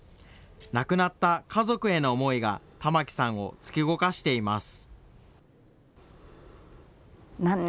亡くなった家族への思いが玉木さんを突き動かしています。